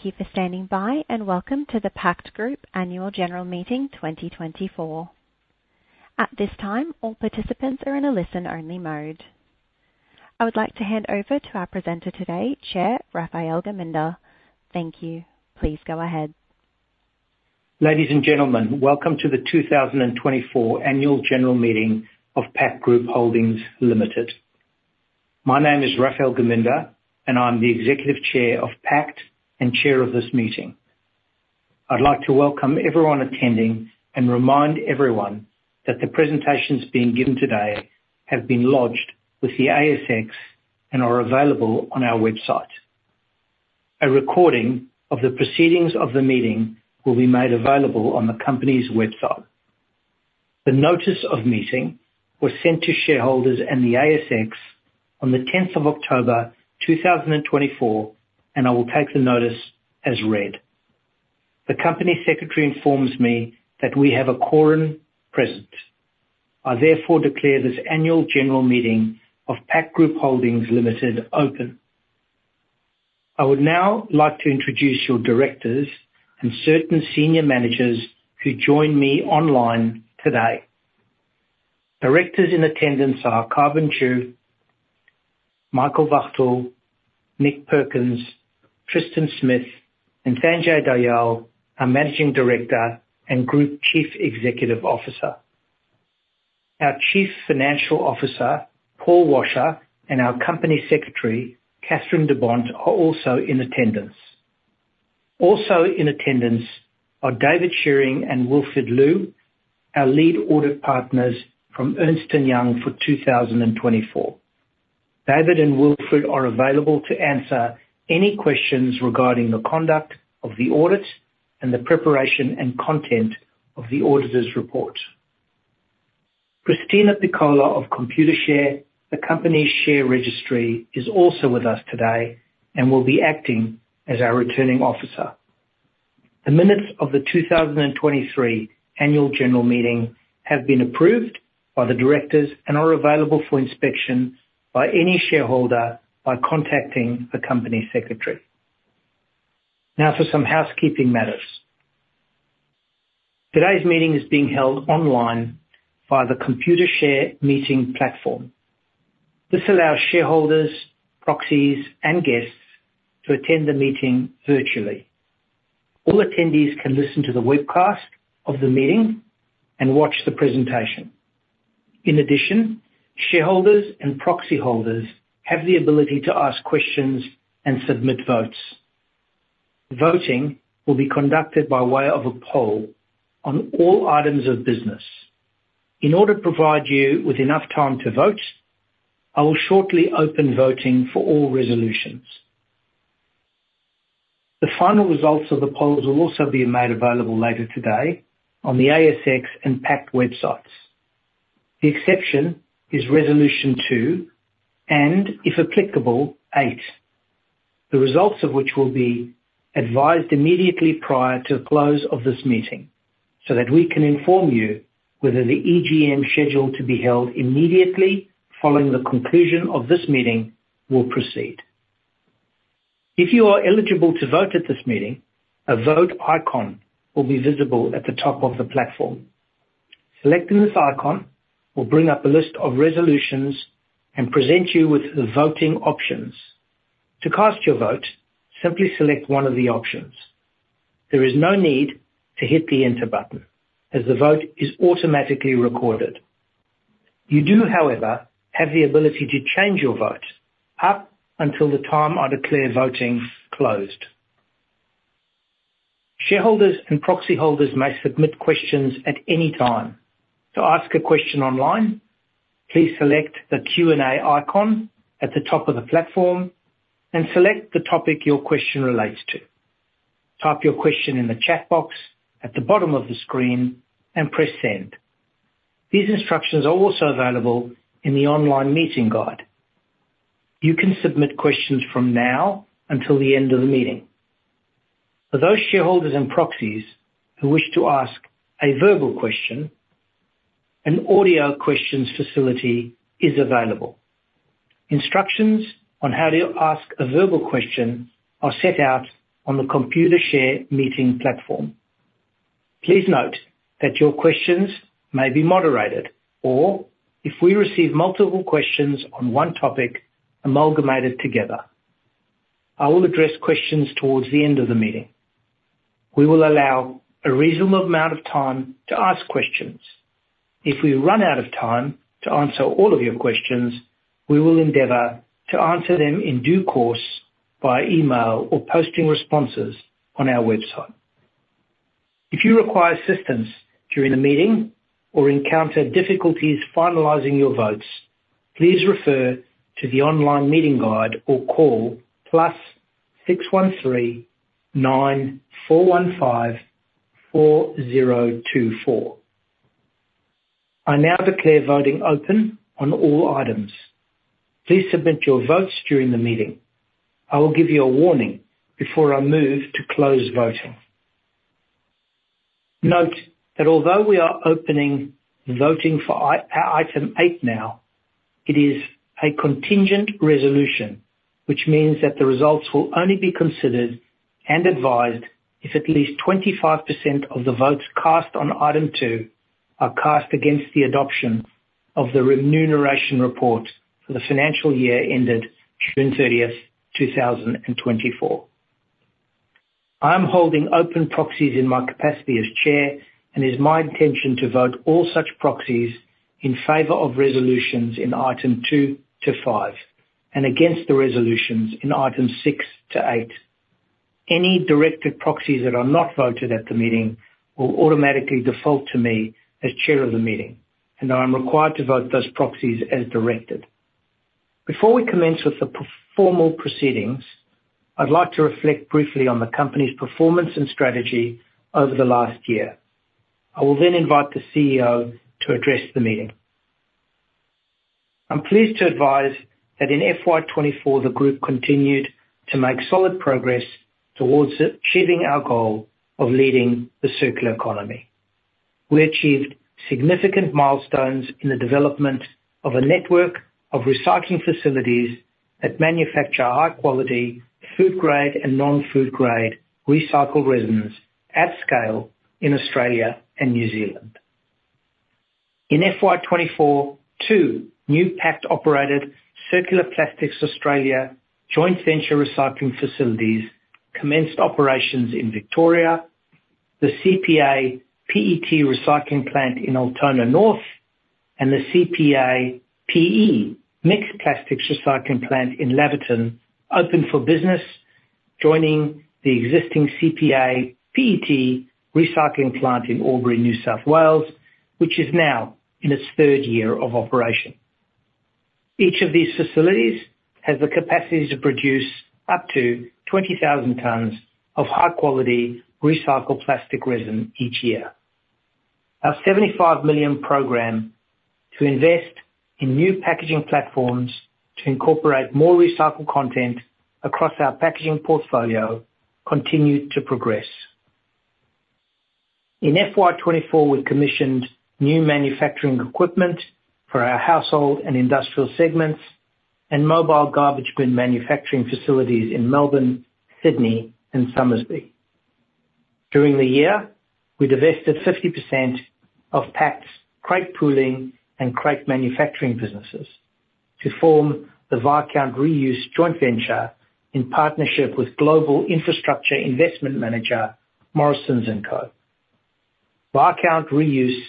Thank you for standing by, and welcome to the Pact Group Annual General Meeting 2024. At this time, all participants are in a listen-only mode. I would like to hand over to our presenter today, Chair Raphael Geminder. Thank you. Please go ahead. Ladies and gentlemen, welcome to the 2024 Annual General Meeting of Pact Group Holdings Limited. My name is Raphael Geminder, and I'm the Executive Chair of Pact and Chair of this meeting. I'd like to welcome everyone attending and remind everyone that the presentations being given today have been lodged with the ASX and are available on our website. A recording of the proceedings of the meeting will be made available on the company's website. The notice of meeting was sent to shareholders and the ASX on the 10th of October 2024, and I will take the notice as read. The company secretary informs me that we have a quorum present. I therefore declare this Annual General Meeting of Pact Group Holdings Limited open. I would now like to introduce your directors and certain senior managers who join me online today. Directors in attendance are Carmen Chua, Michael Wachtel, Nick Perkins, Tristan Smith, and Sanjay Dayal, our Managing Director and Group Chief Executive Officer. Our Chief Financial Officer, Paul Washer, and our Company Secretary, Kathryn de Bont, are also in attendance. Also in attendance are David Shewring and Wilfred Liu, our Lead Audit Partners from Ernst & Young for 2024. David and Wilfred are available to answer any questions regarding the conduct of the audit and the preparation and content of the auditor's report. Christina Piccolo of Computershare, the company's share registry, is also with us today and will be acting as our returning officer. The minutes of the 2023 Annual General Meeting have been approved by the directors and are available for inspection by any shareholder by contacting the company secretary. Now for some housekeeping matters. Today's meeting is being held online via the Computershare Meeting platform. This allows shareholders, proxies, and guests to attend the meeting virtually. All attendees can listen to the webcast of the meeting and watch the presentation. In addition, shareholders and proxy holders have the ability to ask questions and submit votes. Voting will be conducted by way of a poll on all items of business. In order to provide you with enough time to vote, I will shortly open voting for all resolutions. The final results of the polls will also be made available later today on the ASX and Pact websites. The exception is resolution 2 and, if applicable, 8, the results of which will be advised immediately prior to the close of this meeting so that we can inform you whether the EGM scheduled to be held immediately following the conclusion of this meeting will proceed. If you are eligible to vote at this meeting, a vote icon will be visible at the top of the platform. Selecting this icon will bring up a list of resolutions and present you with voting options. To cast your vote, simply select one of the options. There is no need to hit the enter button as the vote is automatically recorded. You do, however, have the ability to change your vote up until the time I declare voting closed. Shareholders and proxy holders may submit questions at any time. To ask a question online, please select the Q&A icon at the top of the platform and select the topic your question relates to. Type your question in the chat box at the bottom of the screen and press send. These instructions are also available in the online meeting guide. You can submit questions from now until the end of the meeting. For those shareholders and proxies who wish to ask a verbal question, an audio questions facility is available. Instructions on how to ask a verbal question are set out on the Computershare Meeting platform. Please note that your questions may be moderated or, if we receive multiple questions on one topic, amalgamated together. I will address questions towards the end of the meeting. We will allow a reasonable amount of time to ask questions. If we run out of time to answer all of your questions, we will endeavor to answer them in due course by email or posting responses on our website. If you require assistance during the meeting or encounter difficulties finalizing your votes, please refer to the online meeting guide or call +613 9415 4024. I now declare voting open on all items. Please submit your votes during the meeting. I will give you a warning before I move to close voting. Note that although we are opening voting for item 8 now, it is a contingent resolution, which means that the results will only be considered and advised if at least 25% of the votes cast on item 2 are cast against the adoption of the remuneration report for the financial year ended June 30, 2024. I am holding open proxies in my capacity as Chair, and it is my intention to vote all such proxies in favor of resolutions in item two to five and against the resolutions in items six to eight. Any directed proxies that are not voted at the meeting will automatically default to me as Chair of the meeting, and I am required to vote those proxies as directed. Before we commence with the formal proceedings, I'd like to reflect briefly on the company's performance and strategy over the last year. I will then invite the CEO to address the meeting. I'm pleased to advise that in FY24, the group continued to make solid progress towards achieving our goal of leading the circular economy. We achieved significant milestones in the development of a network of recycling facilities that manufacture high-quality, food-grade and non-food-grade recycled resins at scale in Australia and New Zealand. In FY24, two new Pact-operated Circular Plastics Australia joint venture recycling facilities commenced operations in Victoria, the CPA PET recycling plant in Altona North, and the CPA PE mixed plastics recycling plant in Laverton opened for business, joining the existing CPA PET recycling plant in Albury, New South Wales, which is now in its third year of operation. Each of these facilities has the capacity to produce up to 20,000 tons of high-quality recycled plastic resin each year. Our 75 million program to invest in new packaging platforms to incorporate more recycled content across our packaging portfolio continued to progress. In FY24, we commissioned new manufacturing equipment for our household and industrial segments and mobile garbage bin manufacturing facilities in Melbourne, Sydney, and Somersby. During the year, we divested 50% of Pact's crate pooling and crate manufacturing businesses to form the Viscount Reuse joint venture in partnership with Global Infrastructure Investment Manager, Morrison & Co. Viscount Reuse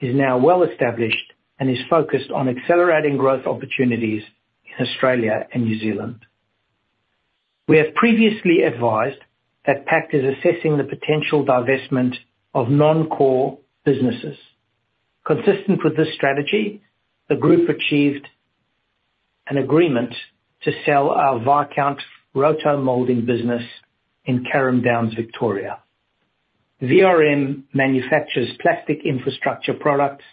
is now well established and is focused on accelerating growth opportunities in Australia and New Zealand. We have previously advised that Pact is assessing the potential divestment of non-core businesses. Consistent with this strategy, the group achieved an agreement to sell our Viscount Rotomoulding business in Carrum Downs, Victoria. VRM manufactures plastic infrastructure products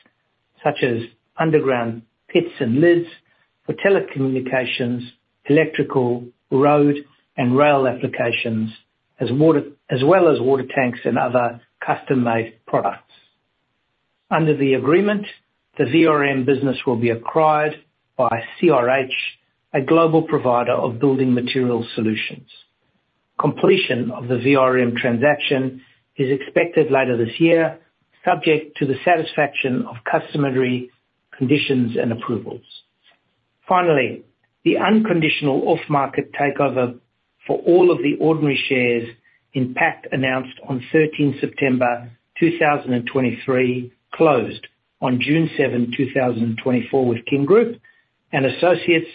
such as underground pits and lids for telecommunications, electrical, road, and rail applications, as well as water tanks and other custom-made products. Under the agreement, the VRM business will be acquired by CRH, a global provider of building material solutions. Completion of the VRM transaction is expected later this year, subject to the satisfaction of customary conditions and approvals. Finally, the unconditional off-market takeover for all of the ordinary shares in Pact announced on September 13, 2023, closed on June 7, 2024 with Kin Group and Associates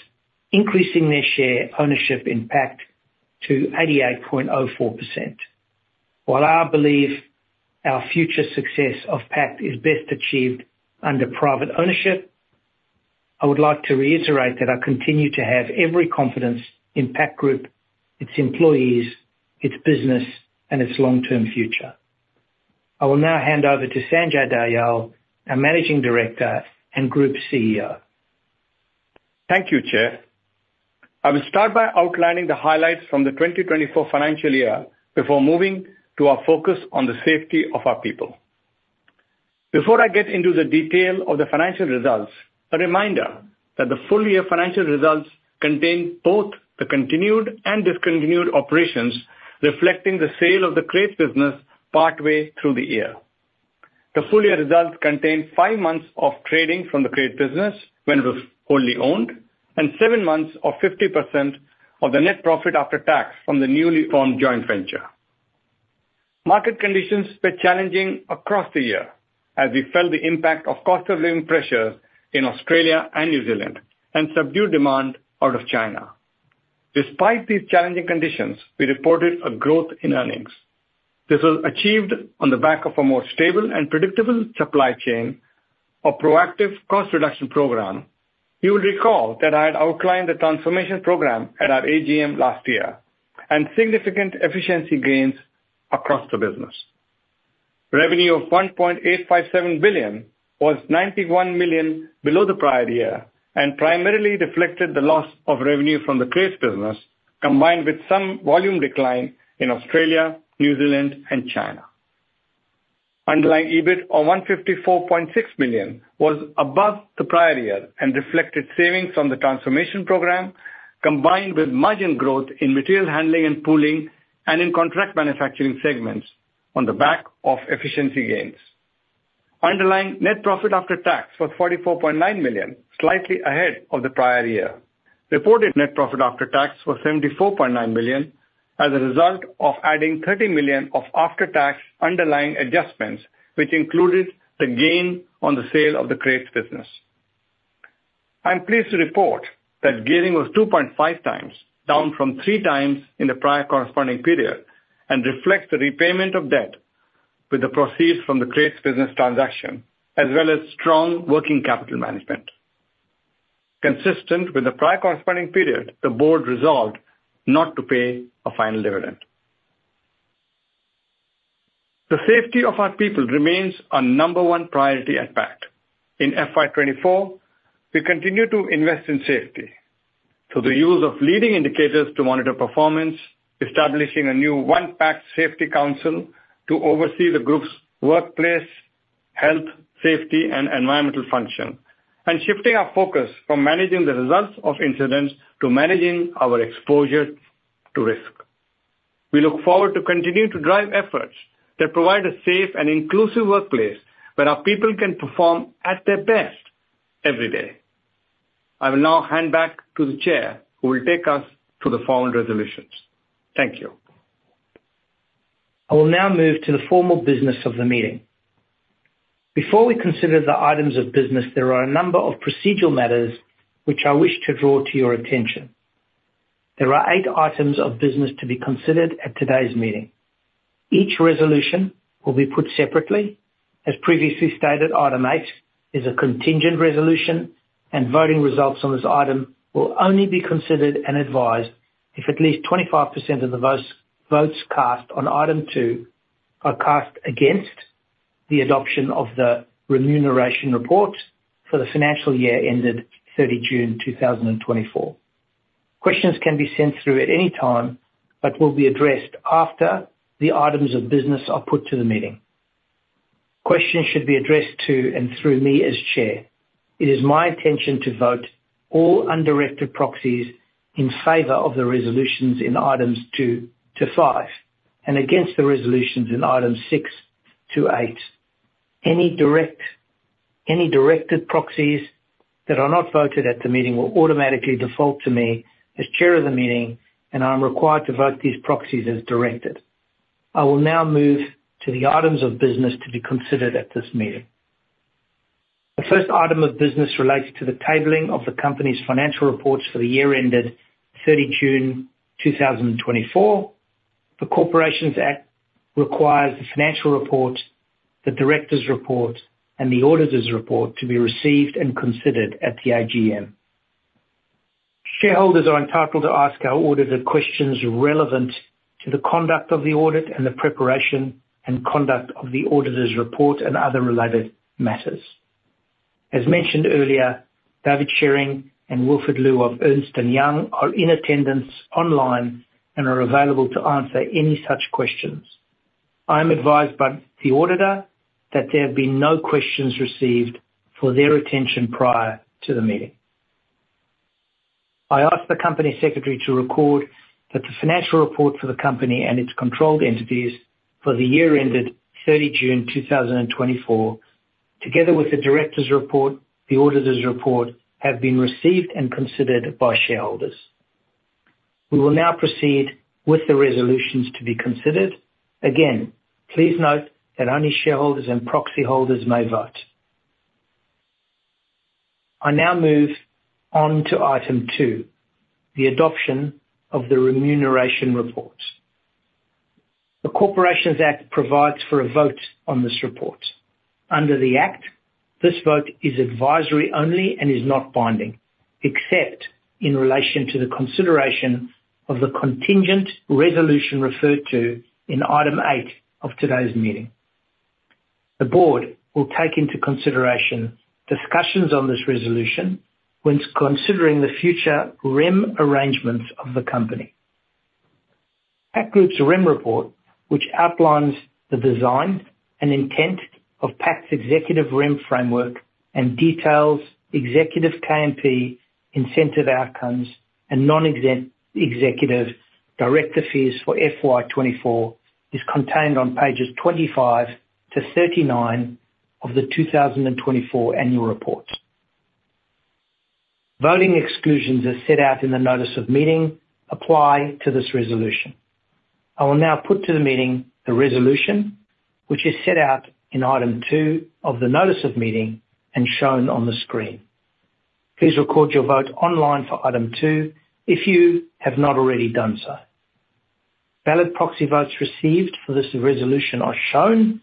increasing their share ownership in Pact to 88.04%. While I believe our future success of Pact is best achieved under private ownership, I would like to reiterate that I continue to have every confidence in Pact Group, its employees, its business, and its long-term future. I will now hand over to Sanjay Dayal, our Managing Director and Group CEO. Thank you, Chair. I will start by outlining the highlights from the 2024 financial year before moving to our focus on the safety of our people. Before I get into the detail of the financial results, a reminder that the full year financial results contain both the continued and discontinued operations reflecting the sale of the crate business partway through the year. The full year results contain five months of trading from the crate business when we were wholly owned and seven months of 50% of the net profit after tax from the newly formed joint venture. Market conditions were challenging across the year as we felt the impact of cost of living pressure in Australia and New Zealand and subdued demand out of China. Despite these challenging conditions, we reported a growth in earnings. This was achieved on the back of a more stable and predictable supply chain or proactive cost reduction program. You will recall that I had outlined the transformation program at our AGM last year and significant efficiency gains across the business. Revenue of 1.857 billion was 91 million below the prior year and primarily reflected the loss of revenue from the crate business combined with some volume decline in Australia, New Zealand, and China. Underlying EBIT of 154.6 million was above the prior year and reflected savings from the transformation program combined with margin growth in material handling and pooling and in contract manufacturing segments on the back of efficiency gains. Underlying net profit after tax was 44.9 million, slightly ahead of the prior year. Reported net profit after tax was 74.9 million as a result of adding 30 million of after-tax underlying adjustments, which included the gain on the sale of the crate business. I'm pleased to report that gearing was 2.5 times, down from three times in the prior corresponding period, and reflects the repayment of debt with the proceeds from the crate business transaction, as well as strong working capital management. Consistent with the prior corresponding period, the board resolved not to pay a final dividend. The safety of our people remains our number one priority at Pact. In FY24, we continue to invest in safety through the use of leading indicators to monitor performance, establishing a new One Pact Safety Council to oversee the group's workplace, health, safety, and environmental function, and shifting our focus from managing the results of incidents to managing our exposure to risk. We look forward to continuing to drive efforts that provide a safe and inclusive workplace where our people can perform at their best every day. I will now hand back to the Chair, who will take us to the formal resolutions. Thank you. I will now move to the formal business of the meeting. Before we consider the items of business, there are a number of procedural matters which I wish to draw to your attention. There are eight items of business to be considered at today's meeting. Each resolution will be put separately. As previously stated, item 8 is a contingent resolution, and voting results on this item will only be considered and advised if at least 25% of the votes cast on item 2 are cast against the adoption of the remuneration report for the financial year ended June 30, 2024. Questions can be sent through at any time but will be addressed after the items of business are put to the meeting. Questions should be addressed to and through me as Chair. It is my intention to vote all undirected proxies in favor of the resolutions in items two to five and against the resolutions in items six to eight. Any directed proxies that are not voted at the meeting will automatically default to me as Chair of the meeting, and I'm required to vote these proxies as directed. I will now move to the items of business to be considered at this meeting. The first item of business relates to the tabling of the company's financial reports for the year ended June 30, 2024. The Corporations Act requires the financial report, the director's report, and the auditor's report to be received and considered at the AGM. Shareholders are entitled to ask our auditor questions relevant to the conduct of the audit and the preparation and conduct of the auditor's report and other related matters. As mentioned earlier, David Shewring and Wilfred Liu of Ernst & Young are in attendance online and are available to answer any such questions. I'm advised by the auditor that there have been no questions received for their attention prior to the meeting. I ask the company secretary to record that the financial report for the company and its controlled entities for the year ended June 30, 2024, together with the directors' report, the auditor's report, have been received and considered by shareholders. We will now proceed with the resolutions to be considered. Again, please note that only shareholders and proxy holders may vote. I now move on to item 2, the adoption of the remuneration report. The Corporations Act provides for a vote on this report. Under the Act, this vote is advisory only and is not binding, except in relation to the consideration of the contingent resolution referred to in item 8 of today's meeting. The board will take into consideration discussions on this resolution when considering the future rem arrangements of the company. Pact Group's remuneration report, which outlines the design and intent of Pact's executive remuneration framework and details executive KMP, incentive outcomes, and non-executive director fees for FY24, is contained on pages 25 to 39 of the 2024 Annual Report. Voting exclusions as set out in the notice of meeting apply to this resolution. I will now put to the meeting the resolution, which is set out in item 2 of the notice of meeting and shown on the screen. Please record your vote online for item 2 if you have not already done so. Valid proxy votes received for this resolution are shown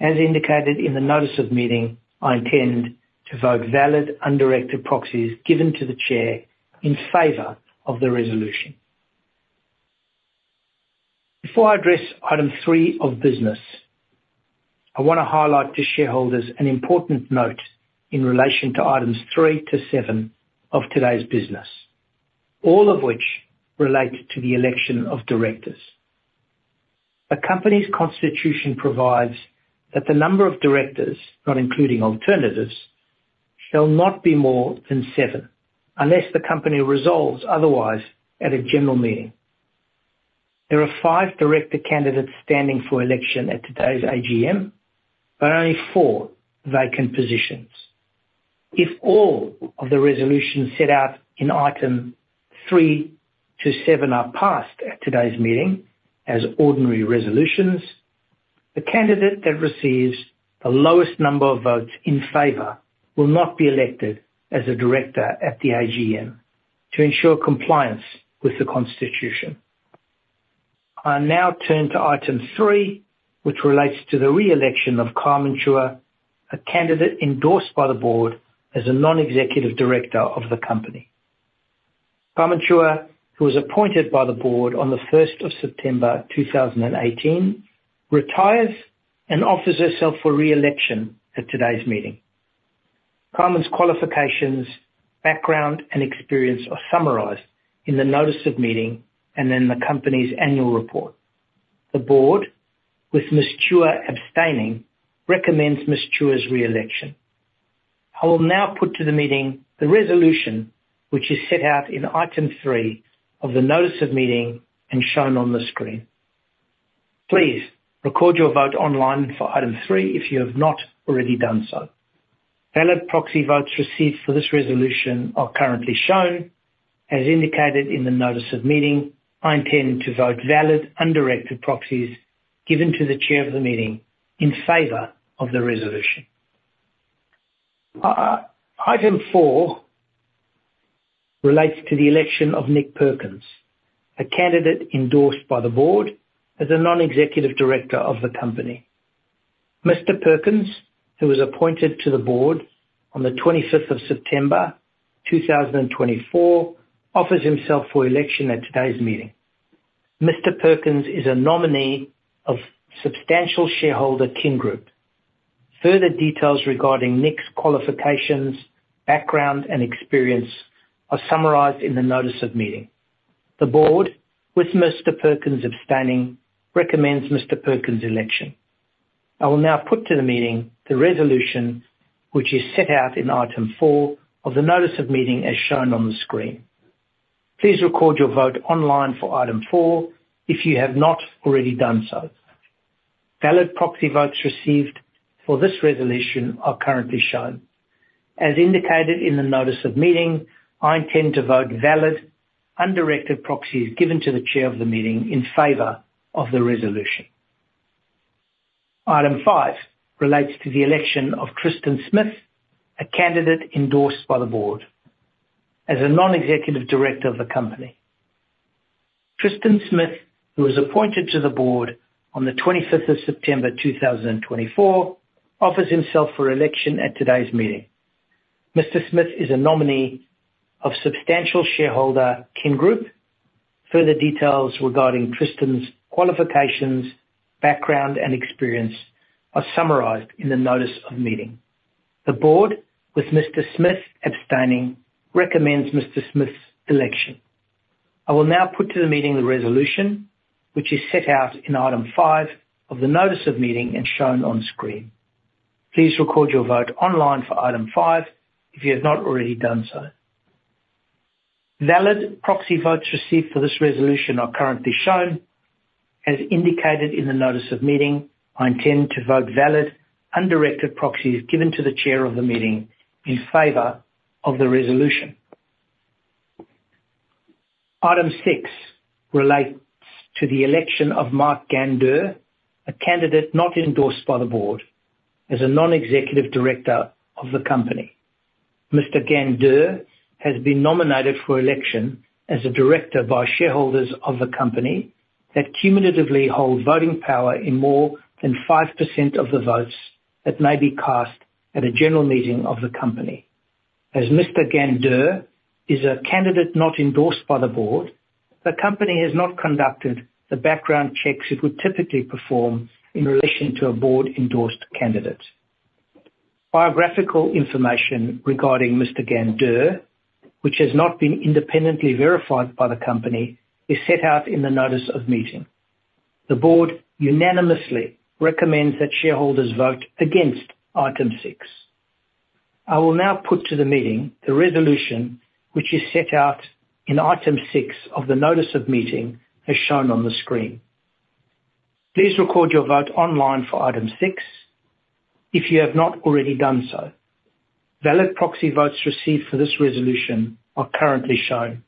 as indicated in the notice of meeting. I intend to vote valid undirected proxies given to the Chair in favor of the resolution. Before I address item 3 of business, I want to highlight to shareholders an important note in relation to items 3 to 7 of today's business, all of which relate to the election of directors. The company's constitution provides that the number of directors, not including alternatives, shall not be more than seven unless the company resolves otherwise at a general meeting. There are five director candidates standing for election at today's AGM, but only four vacant positions. If all of the resolutions set out in item 3 to 7 are passed at today's meeting as ordinary resolutions, the candidate that receives the lowest number of votes in favor will not be elected as a director at the AGM to ensure compliance with the constitution. I now turn to item 3, which relates to the re-election of Carmen Chua, a candidate endorsed by the board as a non-executive director of the company. Carmen Chua, who was appointed by the board on the 1st of September 2018, retires and offers herself for re-election at today's meeting. Carmen's qualifications, background, and experience are summarized in the notice of meeting and in the company's annual report. The board, with Ms. Chua abstaining, recommends Ms. Chua's re-election. I will now put to the meeting the resolution which is set out in item 3 of the notice of meeting and shown on the screen. Please record your vote online for item 3 if you have not already done so. Valid proxy votes received for this resolution are currently shown as indicated in the notice of meeting. I intend to vote valid undirected proxies given to the Chair of the meeting in favor of the resolution. Item 4 relates to the election of Nick Perkins, a candidate endorsed by the board as a non-executive director of the company. Mr. Perkins, who was appointed to the board on the 25th of September 2024, offers himself for election at today's meeting. Mr. Perkins is a nominee of substantial shareholder Kin Group. Further details regarding Nick's qualifications, background, and experience are summarized in the notice of meeting. The board, with Mr. Perkins abstaining, recommends Mr. Perkins' election. I will now put to the meeting the resolution which is set out in item 4 of the notice of meeting as shown on the screen. Please record your vote online for item 4 if you have not already done so. Valid proxy votes received for this resolution are currently shown. As indicated in the notice of meeting, I intend to vote valid undirected proxies given to the Chair of the meeting in favor of the resolution. Item 5 relates to the election of Tristan Smith, a candidate endorsed by the board as a Non-Executive Director of the company. Tristan Smith, who was appointed to the board on September 25, 2024, offers himself for election at today's meeting. Mr. Smith is a nominee of substantial shareholder, Kin Group. Further details regarding Tristan's qualifications, background, and experience are summarized in the notice of meeting. The board, with Mr. Smith abstaining, recommends Mr. Smith's election. I will now put to the meeting the resolution which is set out in item 5 of the notice of meeting and shown on screen. Please record your vote online for item 5 if you have not already done so. Valid proxy votes received for this resolution are currently shown as indicated in the notice of meeting. I intend to vote valid undirected proxies given to the Chair of the meeting in favor of the resolution. Item 6 relates to the election of Mark Gandur, a candidate not endorsed by the board as a non-executive director of the company. Mr. Gandur has been nominated for election as a director by shareholders of the company that cumulatively hold voting power in more than 5% of the votes that may be cast at a general meeting of the company. As Mr. Gandur is a candidate not endorsed by the board, the company has not conducted the background checks it would typically perform in relation to a board-endorsed candidate. Biographical information regarding Mr. Gandur, which has not been independently verified by the company, is set out in the notice of meeting. The board unanimously recommends that shareholders vote against item 6. I will now put to the meeting the resolution which is set out in item 6 of the notice of meeting as shown on the screen. Please record your vote online for item 6 if you have not already done so. Valid proxy votes received for this resolution are currently shown.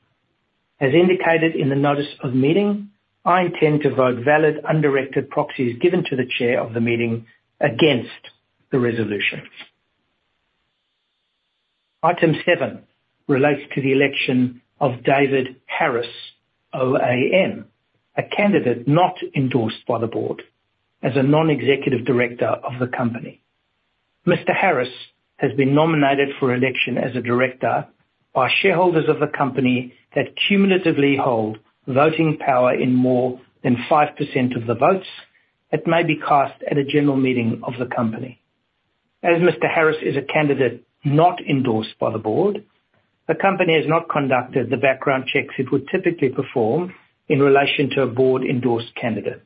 As indicated in the notice of meeting, I intend to vote valid undirected proxies given to the Chair of the meeting against the resolution. Item 7 relates to the election of David Harris, OAM, a candidate not endorsed by the board as a non-executive director of the company. Mr. Harris has been nominated for election as a director by shareholders of the company that cumulatively hold voting power in more than 5% of the votes that may be cast at a general meeting of the company. As Mr. Harris is a candidate not endorsed by the board, the company has not conducted the background checks it would typically perform in relation to a board-endorsed candidate.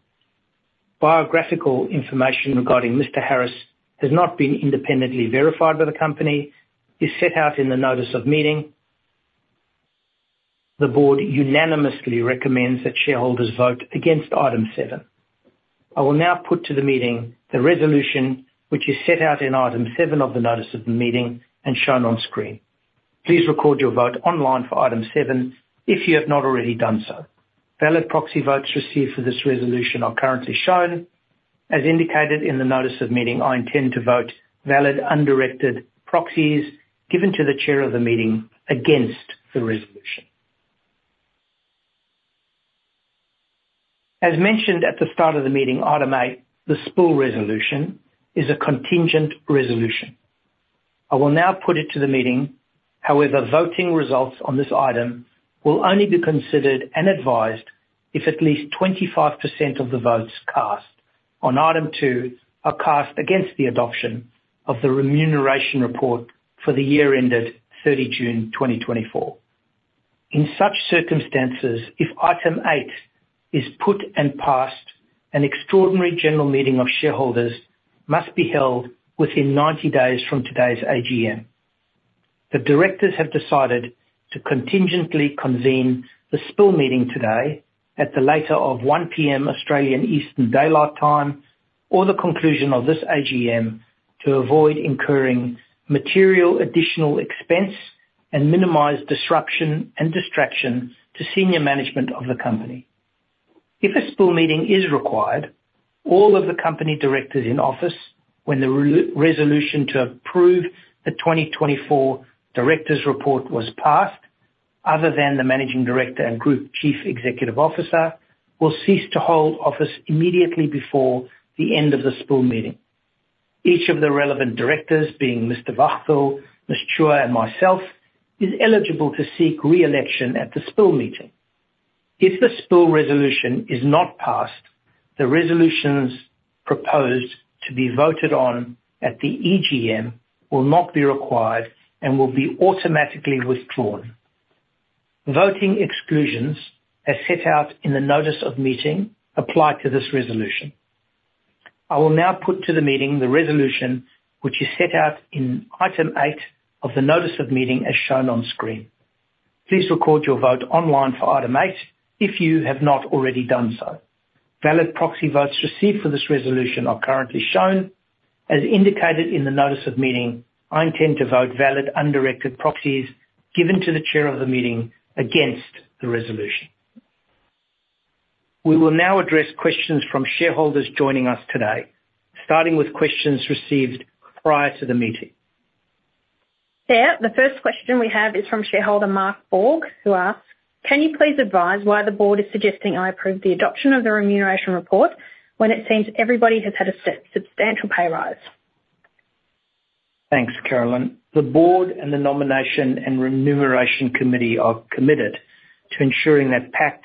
Biographical information regarding Mr. Harris has not been independently verified by the company. It's set out in the notice of meeting. The board unanimously recommends that shareholders vote against item 7. I will now put to the meeting the resolution which is set out in item 7 of the notice of meeting and shown on screen. Please record your vote online for item 7 if you have not already done so. Valid proxy votes received for this resolution are currently shown. As indicated in the notice of meeting, I intend to vote valid undirected proxies given to the Chair of the meeting against the resolution. As mentioned at the start of the meeting, item 8, the spill resolution, is a contingent resolution. I will now put it to the meeting. However, voting results on this item will only be considered and advised if at least 25% of the votes cast on item 2 are cast against the adoption of the remuneration report for the year ended June 30, 2024. In such circumstances, if item 8 is put and passed, an extraordinary general meeting of shareholders must be held within 90 days from today's AGM. The directors have decided to contingently convene the spill meeting today at the later of 1:00 P.M. Australian Eastern Daylight Time or the conclusion of this AGM to avoid incurring material additional expense and minimize disruption and distraction to senior management of the company. If a spill meeting is required, all of the company directors in office when the resolution to approve the 2024 directors' report was passed, other than the managing director and group chief executive officer, will cease to hold office immediately before the end of the spill meeting. Each of the relevant directors, being Mr. Wachtel, Ms. Chua, and myself, is eligible to seek re-election at the spill meeting. If the spill resolution is not passed, the resolutions proposed to be voted on at the AGM will not be required and will be automatically withdrawn. Voting exclusions as set out in the notice of meeting apply to this resolution. I will now put to the meeting the resolution which is set out in item 8 of the notice of meeting as shown on screen. Please record your vote online for item 8 if you have not already done so. Valid proxy votes received for this resolution are currently shown. As indicated in the notice of meeting, I intend to vote valid undirected proxies given to the Chair of the meeting against the resolution. We will now address questions from shareholders joining us today, starting with questions received prior to the meeting. There, the first question we have is from shareholder Mark Borg, who asks, "Can you please advise why the board is suggesting I approve the adoption of the remuneration report when it seems everybody has had a substantial pay rise?" Thanks, Carolyn. The board and the nomination and remuneration committee are committed to ensuring that Pact's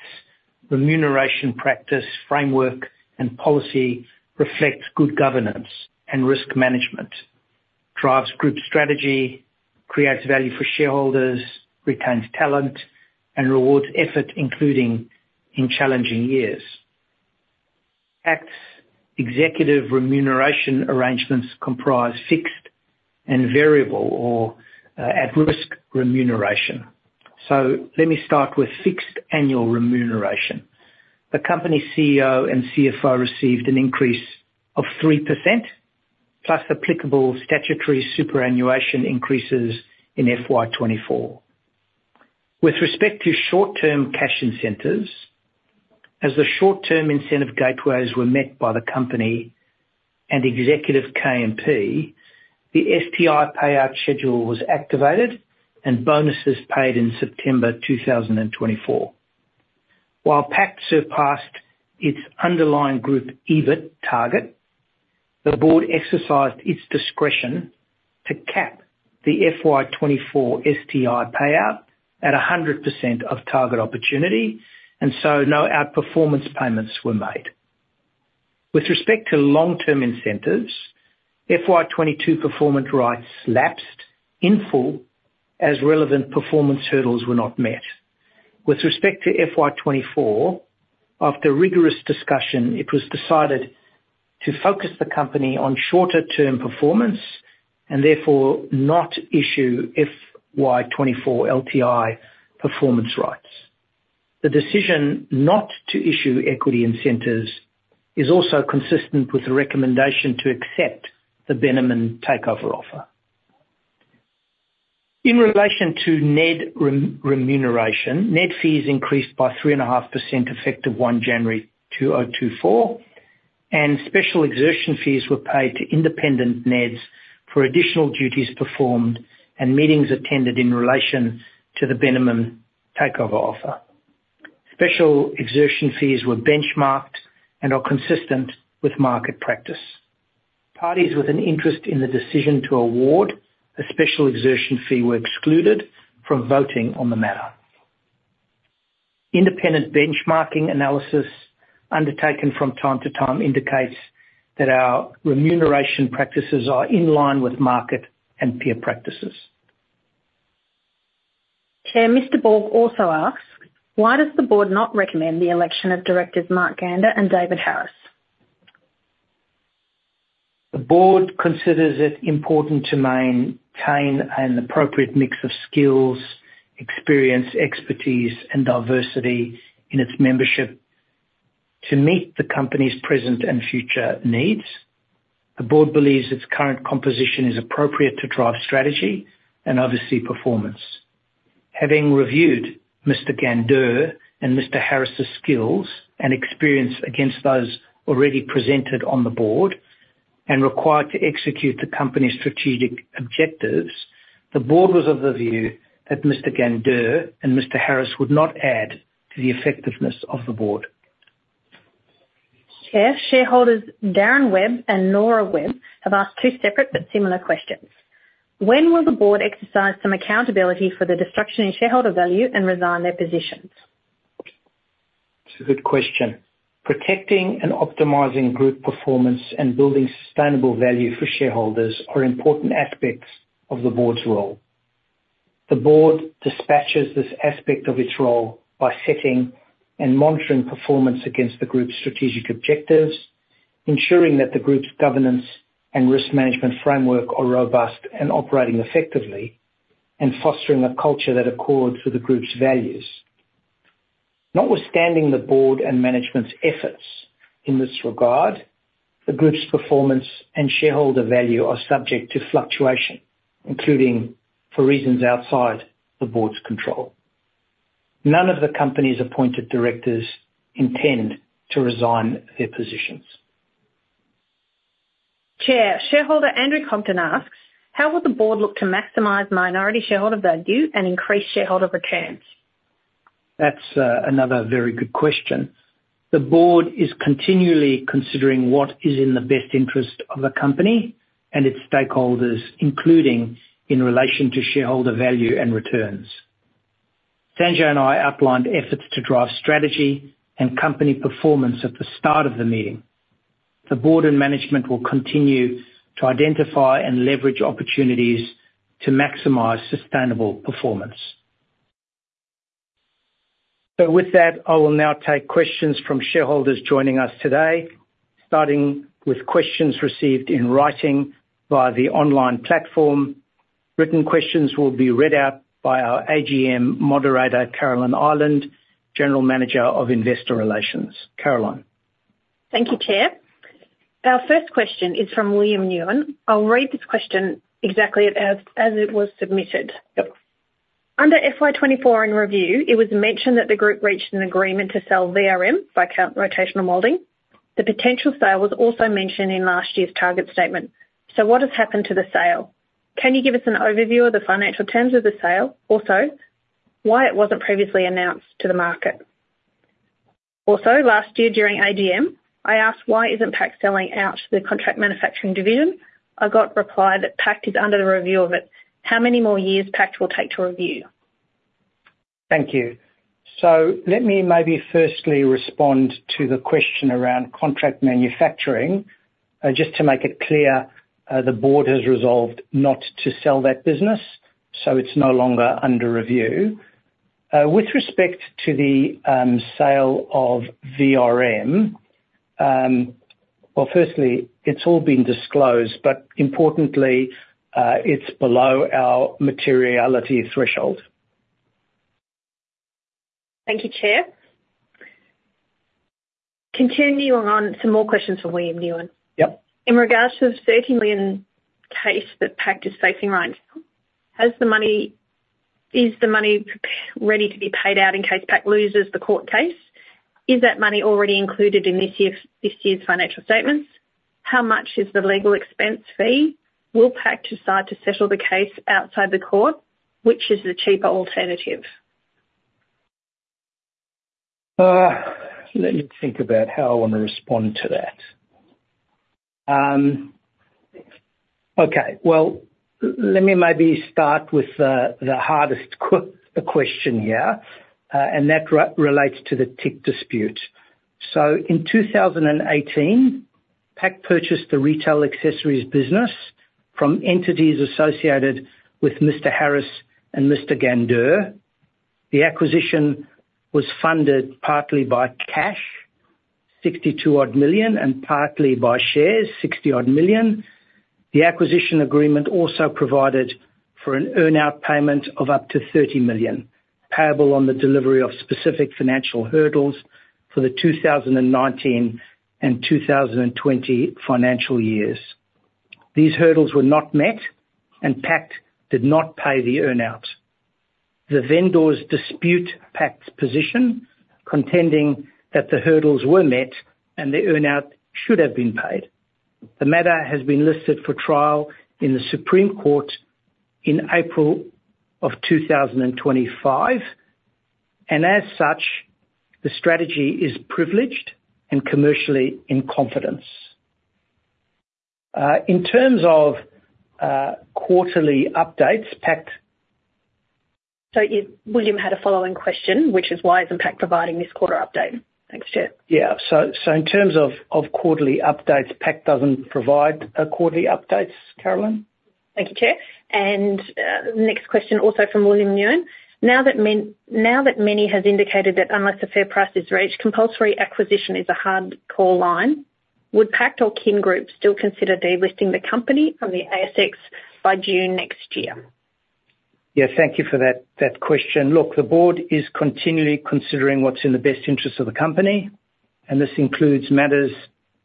remuneration practice framework and policy reflects good governance and risk management, drives group strategy, creates value for shareholders, retains talent, and rewards effort, including in challenging years. Pact's executive remuneration arrangements comprise fixed and variable or at-risk remuneration. So let me start with fixed annual remuneration. The company's CEO and CFO received an increase of 3% plus applicable statutory superannuation increases in FY24. With respect to short-term cash incentives, as the short-term incentive gateways were met by the company and executive KMP, the STI payout schedule was activated and bonuses paid in September 2024. While Pact surpassed its underlying group EBIT target, the board exercised its discretion to cap the FY24 STI payout at 100% of target opportunity, and so no outperformance payments were made. With respect to long-term incentives, FY22 performance rates lapsed in full as relevant performance hurdles were not met. With respect to FY24, after rigorous discussion, it was decided to focus the company on shorter-term performance and therefore not issue FY24 LTI performance rights. The decision not to issue equity incentives is also consistent with the recommendation to accept the Bennamon takeover offer. In relation to NED remuneration, NED fees increased by 3.5% effective January 1, 2024, and special exertion fees were paid to independent NEDs for additional duties performed and meetings attended in relation to the Bennamon takeover offer. Special exertion fees were benchmarked and are consistent with market practice. Parties with an interest in the decision to award a special exertion fee were excluded from voting on the matter. Independent benchmarking analysis undertaken from time to time indicates that our remuneration practices are in line with market and peer practices. Chair, Mr. Borg also asks, "Why does the board not recommend the election of directors Mark Gandur and David Harris?" The board considers it important to maintain an appropriate mix of skills, experience, expertise, and diversity in its membership to meet the company's present and future needs. The board believes its current composition is appropriate to drive strategy and oversee performance. Having reviewed Mr. Gandur and Mr. Harris's skills and experience against those already presented on the board and required to execute the company's strategic objectives, the board was of the view that Mr. Gandur and Mr. Harris would not add to the effectiveness of the board. Chair, shareholders Darren Webb and Nora Webb have asked two separate but similar questions, "When will the board exercise some accountability for the destruction in shareholder value and resign their positions?" It's a good question. Protecting and optimizing group performance and building sustainable value for shareholders are important aspects of the board's role. The board dispatches this aspect of its role by setting and monitoring performance against the group's strategic objectives, ensuring that the group's governance and risk management framework are robust and operating effectively, and fostering a culture that accords with the group's values. Notwithstanding the board and management's efforts in this regard, the group's performance and shareholder value are subject to fluctuation, including for reasons outside the board's control. None of the company's appointed directors intend to resign their positions. Chair, shareholder Andrew Compton asks, "How will the board look to maximize minority shareholder value and increase shareholder returns?" That's another very good question. The board is continually considering what is in the best interest of the company and its stakeholders, including in relation to shareholder value and returns. Sanjay and I outlined efforts to drive strategy and company performance at the start of the meeting. The board and management will continue to identify and leverage opportunities to maximize sustainable performance. So with that, I will now take questions from shareholders joining us today, starting with questions received in writing via the online platform. Written questions will be read out by our AGM moderator, Carolyn Ireland, General Manager of Investor Relations. Carolyn. Thank you, Chair. Our first question is from William Nguyen. I'll read this question exactly as it was submitted. "Under FY24 in review, it was mentioned that the group reached an agreement to sell VRM, our rotational molding. The potential sale was also mentioned in last year's target statement. So what has happened to the sale? Can you give us an overview of the financial terms of the sale? Also, why it wasn't previously announced to the market? Also, last year during AGM, I asked, "Why isn't Pact selling out the contract manufacturing division?" I got replied that Pact is under the review of it. How many more years Pact will take to review?" Thank you. So let me maybe firstly respond to the question around contract manufacturing. Just to make it clear, the board has resolved not to sell that business, so it's no longer under review. With respect to the sale of VRM, well, firstly, it's all been disclosed, but importantly, it's below our materiality threshold. Thank you, Chair. Continuing on, some more questions for William Nguyen. "In regards to the 30 million case that Pact is facing right now, is the money ready to be paid out in case Pact loses the court case? Is that money already included in this year's financial statements? How much is the legal expense fee? Will Pact decide to settle the case outside the court? Which is the cheaper alternative?" Let me think about how I want to respond to that. Okay. Well, let me maybe start with the hardest question here, and that relates to the TIC dispute. So in 2018, Pact purchased the retail accessories business from entities associated with Mr. Harris and Mr. Gandur. The acquisition was funded partly by cash, 62-odd million, and partly by shares, 60-odd million. The acquisition agreement also provided for an earn-out payment of up to 30 million, payable on the delivery of specific financial hurdles for the 2019 and 2020 financial years. These hurdles were not met, and Pact did not pay the earn-out. The vendors dispute Pact's position, contending that the hurdles were met and the earn-out should have been paid. The matter has been listed for trial in the Supreme Court in April of 2025, and as such, the strategy is privileged and commercially in confidence. In terms of quarterly updates, Pact. So William had a following question, which is, "Why isn't Pact providing this quarter update?" Thanks, Chair. Yeah. So in terms of quarterly updates, Pact doesn't provide quarterly updates, Carolyn? Thank you, Chair. And the next question also from William Nguyen. "Now that management has indicated that unless a fair price is reached, compulsory acquisition is a hard-core line, would Pact or Kin Group still consider delisting the company from the ASX by June next year?" Yeah. Thank you for that question. Look, the board is continually considering what's in the best interest of the company, and this includes matters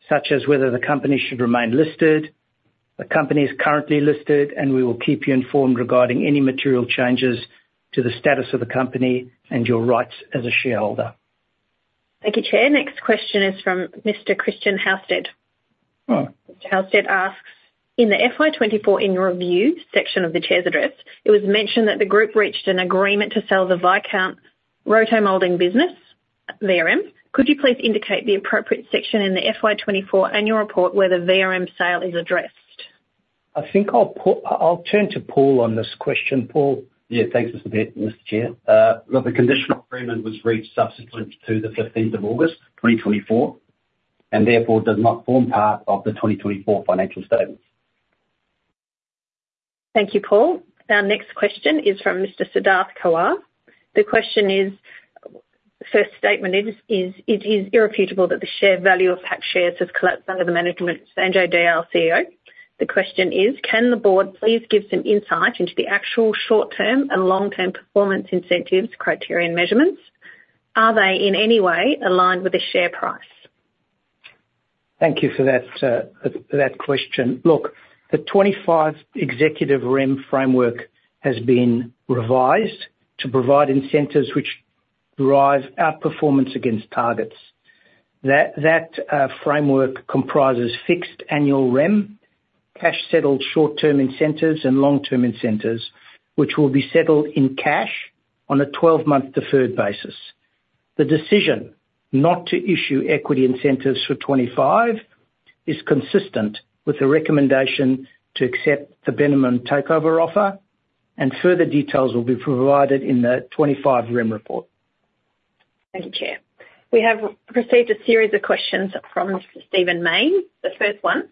such as whether the company should remain listed, the company is currently listed, and we will keep you informed regarding any material changes to the status of the company and your rights as a shareholder. Thank you, Chair. Next question is from Mr. Christian Housted. Mr. Housted asks, "In the FY24 in review section of the chair's address, it was mentioned that the group reached an agreement to sell the Viscount Rotomoulding business, VRM." "Could you please indicate the appropriate section in the FY24 annual report where the VRM sale is addressed?" I think I'll turn to Paul on this question. Paul? Yeah. Thanks, Mr. Chair. Look, the conditional agreement was reached subsequent to August 15, 2024 and therefore does not form part of the 2024 financial statements. Thank you, Paul. Our next question is from Mr. Siddharth Kowar. The question is, "First statement is, it is irrefutable that the share value of Pact shares has collapsed under the management of Sanjay Dayal, CEO. The question is, can the board please give some insight into the actual short-term and long-term performance incentives criteria and measurements? Are they in any way aligned with the share price?" Thank you for that question. Look, the FY25 executive remuneration framework has been revised to provide incentives which drive outperformance against targets. That framework comprises fixed annual REM, cash-settled short-term incentives, and long-term incentives, which will be settled in cash on a 12-month deferred basis. The decision not to issue equity incentives for 2025 is consistent with the recommendation to accept the Bennamon takeover offer, and further details will be provided in the 2025 rem report. Thank you, Chair. We have received a series of questions from Stephen Mayne. The first one,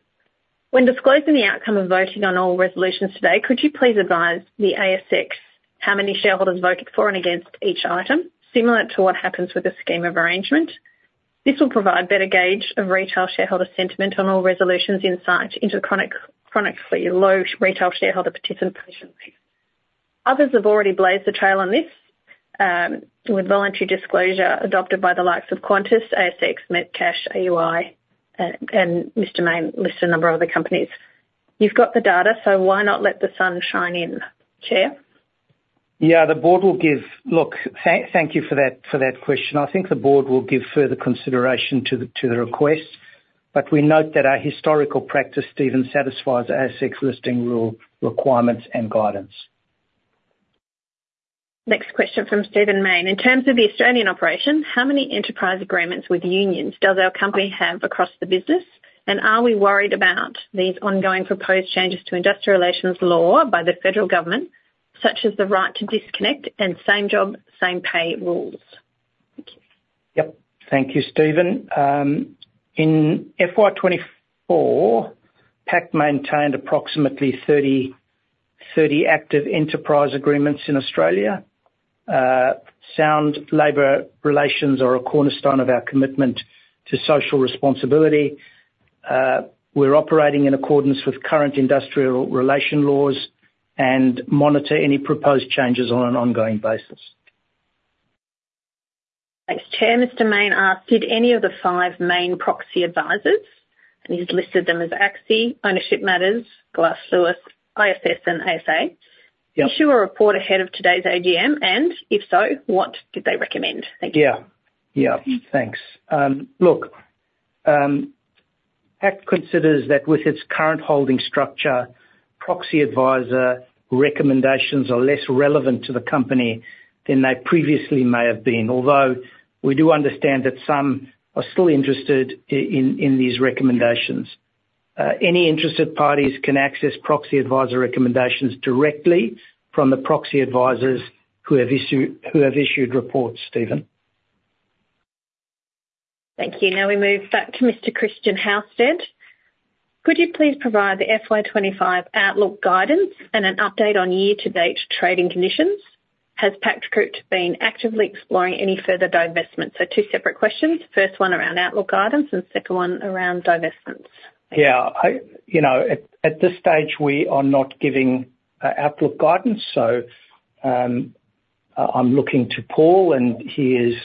"When disclosing the outcome of voting on all resolutions today, could you please advise the ASX how many shareholders voted for and against each item, similar to what happens with the scheme of arrangement? This will provide better gauge of retail shareholder sentiment on all resolutions insight into chronically low retail shareholder participation." Others have already blazed the trail on this with voluntary disclosure adopted by the likes of Qantas, ASX, Metcash, AUI, and Mr. Mayne lists a number of other companies. You've got the data, so why not let the sun shine in, Chair? Yeah. The board will give. Look, thank you for that question. I think the board will give further consideration to the request, but we note that our historical practice even satisfies ASX listing rule requirements and guidance. Next question from Stephen Mayne. "In terms of the Australian operation, how many enterprise agreements with unions does our company have across the business, and are we worried about these ongoing proposed changes to industrial relations law by the federal government, such as the right to disconnect and same job, same pay rules?" Thank you. Yep. Thank you, Stephen. In FY24, Pact maintained approximately 30 active enterprise agreements in Australia. Sound labor relations are a cornerstone of our commitment to social responsibility. We're operating in accordance with current industrial relations laws and monitor any proposed changes on an ongoing basis. Thanks, Chair. Mr. Mayne asked, "Did any of the five main proxy advisors, and he's listed them as ACSI, Ownership Matters, Glass Lewis, ISS, and ASA, issue a report ahead of today's AGM? And if so, what did they recommend?" Thank you. Yeah. Yeah. Thanks. Look, Pact considers that with its current holding structure, proxy advisor recommendations are less relevant to the company than they previously may have been, although we do understand that some are still interested in these recommendations. Any interested parties can access proxy advisor recommendations directly from the proxy advisors who have issued reports, Stephen. Thank you. Now we move back to Mr. Christian Housted. "Could you please provide the FY25 outlook guidance and an update on year-to-date trading conditions?" "Has Pact Group been actively exploring any further divestments? So two separate questions. First one around outlook guidance and second one around divestments." Yeah. At this stage, we are not giving outlook guidance, so I'm looking to Paul, and he is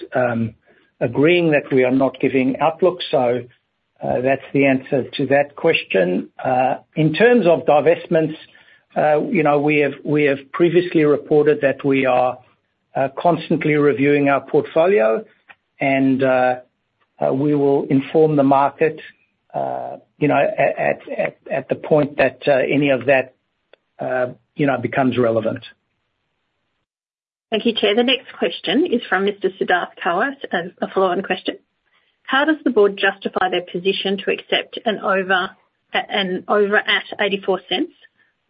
agreeing that we are not giving outlook, so that's the answer to that question. In terms of divestments, we have previously reported that we are constantly reviewing our portfolio, and we will inform the market at the point that any of that becomes relevant. Thank you, Chair. The next question is from Mr. Siddharth Kowar, a follow-on question. "How does the board justify their position to accept an offer at 0.84,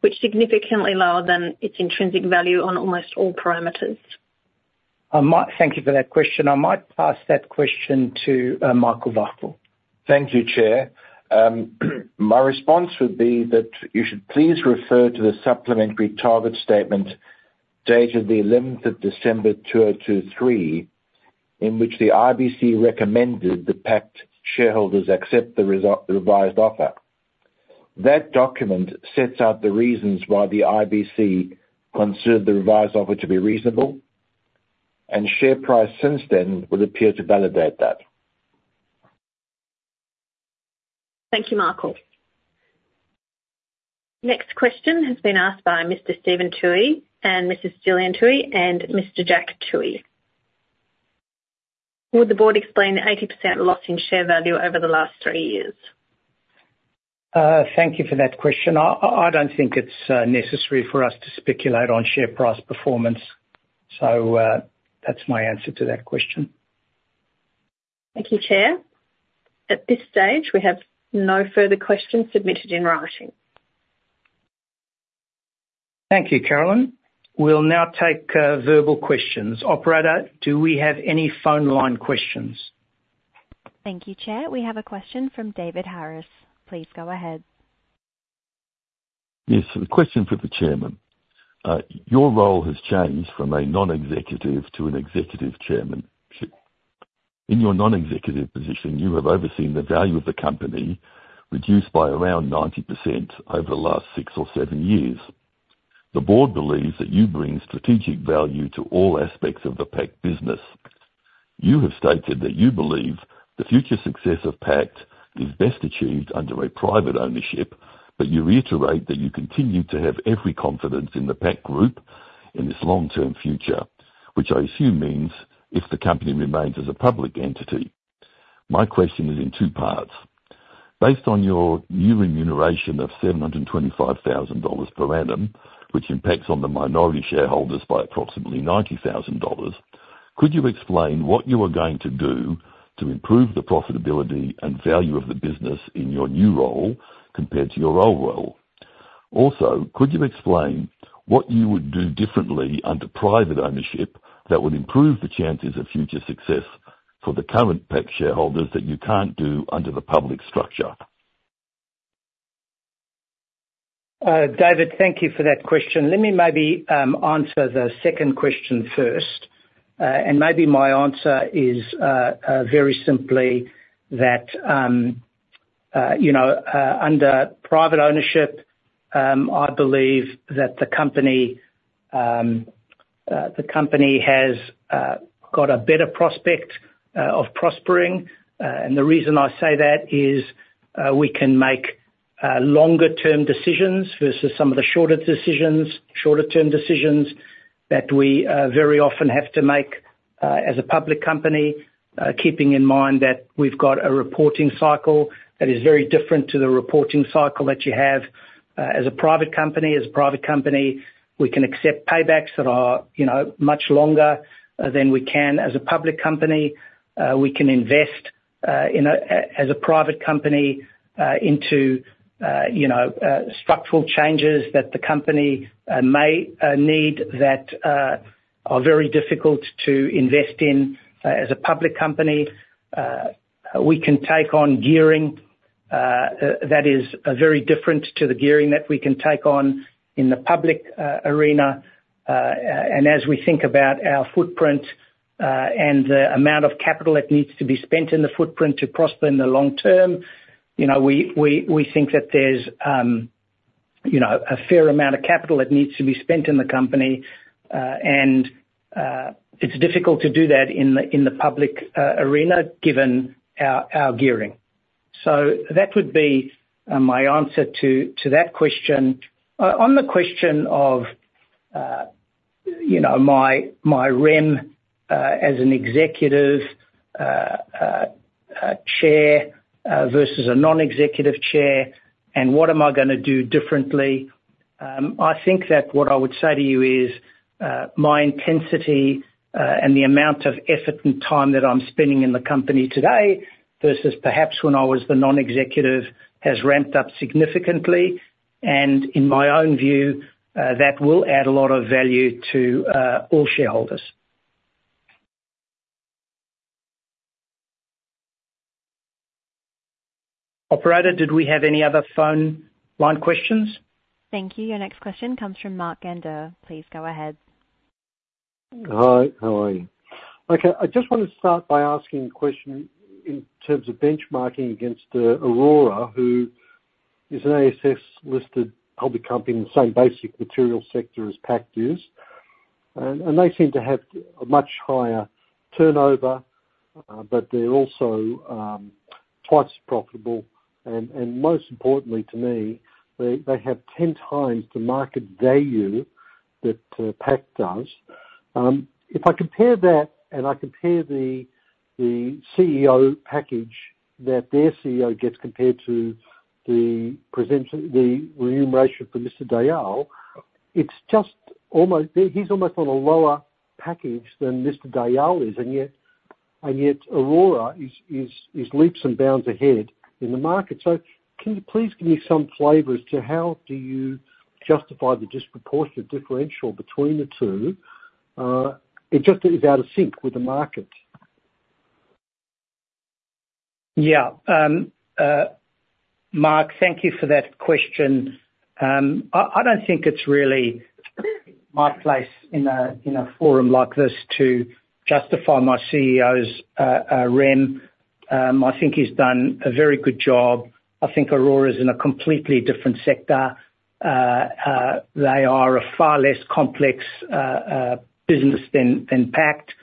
which is significantly lower than its intrinsic value on almost all parameters?" Thank you for that question. I might pass that question to Michael Wachtel. Thank you, Chair. My response would be that you should please refer to the supplementary target statement dated December 11, 2023, in which the IBC recommended that Pact shareholders accept the revised offer. That document sets out the reasons why the IBC considered the revised offer to be reasonable, and share price since then would appear to validate that. Thank you, Michael. Next question has been asked by Mr. Stephen Tuohey and Mrs. Gillian Tuohey and Mr. Jack Tuohey. "Will the board explain the 80% loss in share value over the last three years?" Thank you for that question. I don't think it's necessary for us to speculate on share price performance, so that's my answer to that question. Thank you, Chair. At this stage, we have no further questions submitted in writing. Thank you, Carolyn. We'll now take verbal questions. Operator, do we have any phone line questions? Thank you, Chair. We have a question from David Harris. Please go ahead. Yes. A question for the Chairman. Your role has changed from a Non-Executive to an Executive Chairman. In your Non-Executive position, you have overseen the value of the company reduced by around 90% over the last six or seven years. The board believes that you bring strategic value to all aspects of the Pact business. You have stated that you believe the future success of Pact is best achieved under a private ownership, but you reiterate that you continue to have every confidence in the Pact Group in its long-term future, which I assume means if the company remains as a public entity. My question is in two parts. Based on your new remuneration of 725,000 dollars per annum, which impacts on the minority shareholders by approximately 90,000 dollars, could you explain what you are going to do to improve the profitability and value of the business in your new role compared to your old role? Also, could you explain what you would do differently under private ownership that would improve the chances of future success for the current Pact shareholders that you can't do under the public structure? David, thank you for that question. Let me maybe answer the second question first. And maybe my answer is very simply that under private ownership, I believe that the company has got a better prospect of prospering. And the reason I say that is we can make longer-term decisions versus some of the shorter-term decisions that we very often have to make as a public company, keeping in mind that we've got a reporting cycle that is very different to the reporting cycle that you have as a private company. As a private company, we can accept paybacks that are much longer than we can as a public company. We can invest as a private company into structural changes that the company may need that are very difficult to invest in as a public company. We can take on gearing that is very different to the gearing that we can take on in the public arena. And as we think about our footprint and the amount of capital that needs to be spent in the footprint to prosper in the long term, we think that there's a fair amount of capital that needs to be spent in the company, and it's difficult to do that in the public arena given our gearing. So that would be my answer to that question. On the question of my role as an executive chair versus a non-executive chair, and what am I going to do differently, I think that what I would say to you is my intensity and the amount of effort and time that I'm spending in the company today versus perhaps when I was the non-executive has ramped up significantly. And in my own view, that will add a lot of value to all shareholders. Operator, did we have any other phone line questions? Thank you. Your next question comes from Mark Gandur. Please go ahead. Hi. How are you? Okay. I just want to start by asking a question in terms of benchmarking against the Orora, who is an ASX-listed public company in the same basic material sector as Pact is. And they seem to have a much higher turnover, but they're also twice as profitable. And most importantly to me, they have 10 times the market value that Pact does. If I compare that and I compare the CEO package that their CEO gets compared to the remuneration for Mr. Dayal, he's almost on a lower package than Mr. Dayal is, and yet Orora is leaps and bounds ahead in the market. So can you please give me some flavor as to how do you justify the disproportionate differential between the two? It just is out of sync with the market. Yeah. Mark, thank you for that question. I don't think it's really my place in a forum like this to justify my CEO's remuneration. I think he's done a very good job. I think Orora is in a completely different sector. They are a far less complex business than Pact.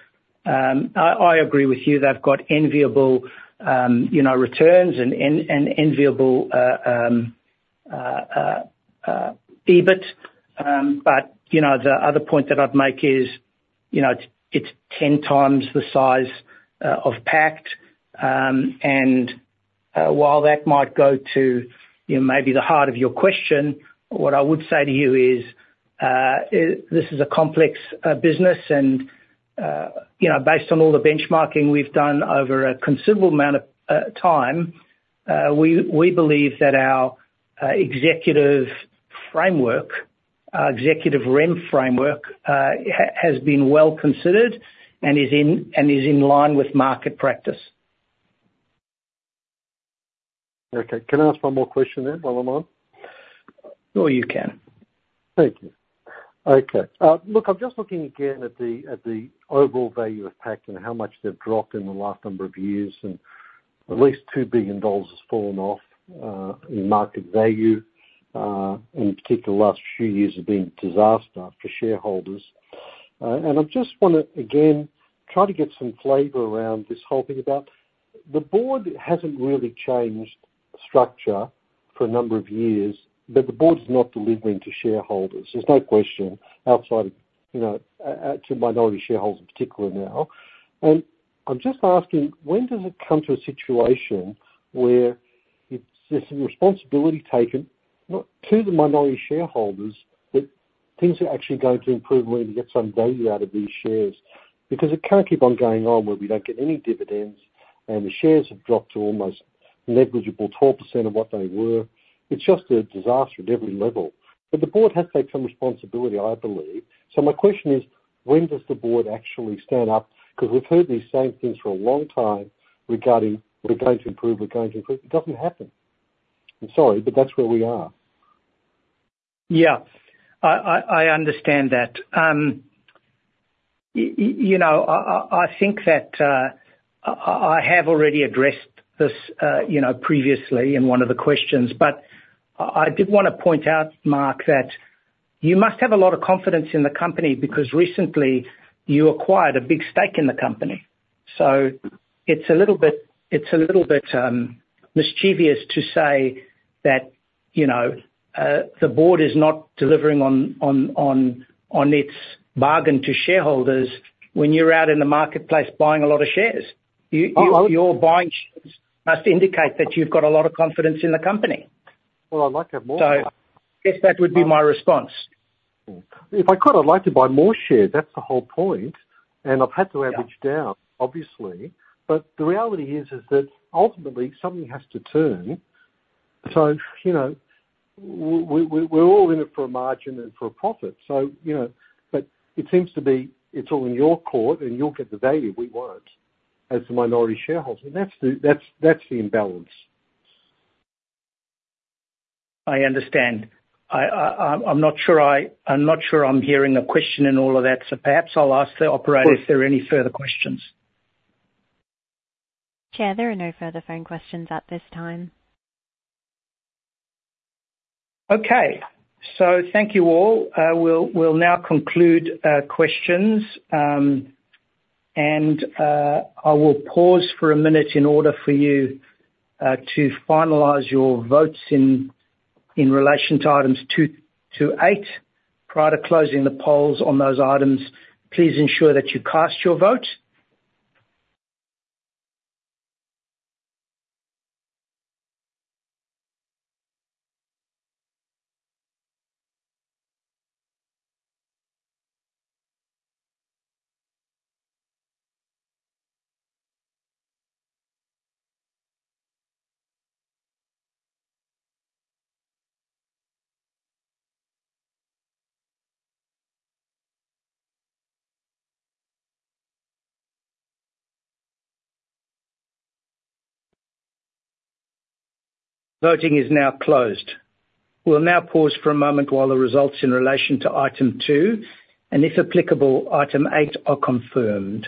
I agree with you. They've got enviable returns and enviable EBIT, but the other point that I'd make is it's 10 times the size of Pact. And while that might go to maybe the heart of your question, what I would say to you is this is a complex business, and based on all the benchmarking we've done over a considerable amount of time, we believe that our executive framework, our executive remuneration framework, has been well considered and is in line with market practice. Okay. Can I ask one more question then, while I'm on? Oh, you can. Thank you. Okay. Look, I'm just looking again at the overall value of Pact and how much they've dropped in the last number of years, and at least 2 billion dollars has fallen off in market value, and particularly the last few years have been a disaster for shareholders. And I just want to, again, try to get some flavor around this whole thing about? The board hasn't really changed structure for a number of years, but the board is not delivering to shareholders. There's no question outside of to minority shareholders in particular now. And I'm just asking, when does it come to a situation where it's a responsibility taken not to the minority shareholders that things are actually going to improve and we need to get some value out of these shares? Because it can't keep on going on where we don't get any dividends, and the shares have dropped to almost negligible 12% of what they were. It's just a disaster at every level. But the board has taken some responsibility, I believe. So my question is, when does the board actually stand up? Because we've heard these same things for a long time regarding we're going to improve, we're going to improve. It doesn't happen. I'm sorry, but that's where we are. Yeah. I understand that. I think that I have already addressed this previously in one of the questions, but I did want to point out, Mark, that you must have a lot of confidence in the company because recently you acquired a big stake in the company. So it's a little bit mischievous to say that the board is not delivering on its bargain to shareholders when you're out in the marketplace buying a lot of shares. Your buying shares must indicate that you've got a lot of confidence in the company. Well, I'd like to have more. So I guess that would be my response. If I could, I'd like to buy more shares. That's the whole point. And I've had to average down, obviously. But the reality is that ultimately something has to turn. So we're all in it for a margin and for a profit. But it seems to be it's all in your court, and you'll get the value we won't as the minority shareholders. And that's the imbalance. I understand. I'm not sure I'm hearing a question in all of that, so perhaps I'll ask the operator if there are any further questions. Chair, there are no further phone questions at this time. Okay. So thank you all. We'll now conclude questions, and I will pause for a minute in order for you to finalize your votes in relation to items two to eight. Prior to closing the polls on those items, please ensure that you cast your vote. Voting is now closed. We'll now pause for a moment while the results in relation to item two and, if applicable, item eight are confirmed.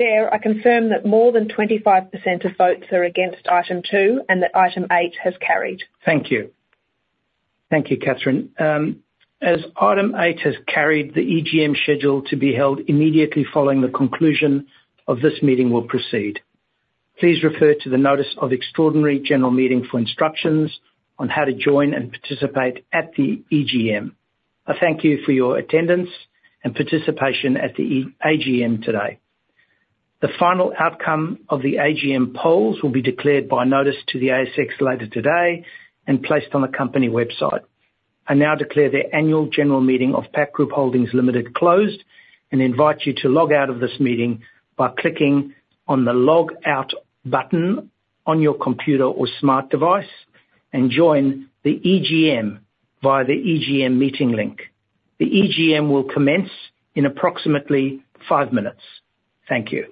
Chair, I confirm that more than 25% of votes are against item two and that item eight has carried. Thank you. Thank you, Kathryn. As item eight has carried, the EGM scheduled to be held immediately following the conclusion of this meeting will proceed. Please refer to the notice of extraordinary general meeting for instructions on how to join and participate at the EGM. I thank you for your attendance and participation at the AGM today. The final outcome of the AGM polls will be declared by notice to the ASX later today and placed on the company website. I now declare the annual general meeting of Pact Group Holdings Limited closed and invite you to log out of this meeting by clicking on the logout button on your computer or smart device and join the EGM via the EGM meeting link. The EGM will commence in approximately five minutes. Thank you.